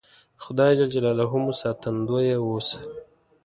خدای ج مو ساتندویه اوسه